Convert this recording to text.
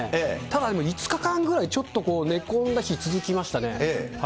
ただ、５日間ぐらい、ちょっと寝込んだ日、続きましたね。